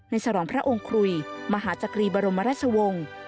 ฉลองพระองค์คุยมหาจักรีบรมราชวงศ์